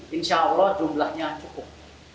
kita bisa mencari vaksin yang cukup